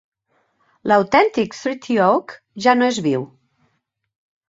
L'autèntic Treaty Oak ja no és viu.